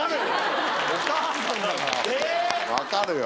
分かるよ！